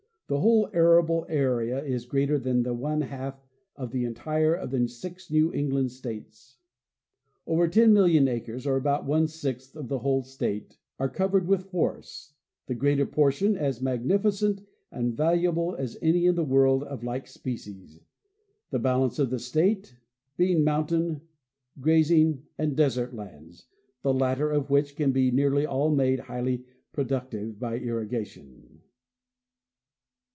The whole arable area is greater than the one half of the entire area of the six New England states. Over 10,000,000 acres (or about one sixth of the whole state) are covered with forests, the greater portion as magnificent and valuable as any in the world of like species, the balance of the state being mountain, grazing, and desert lands, the latter of which can be nearly all made highly productive by irrigation.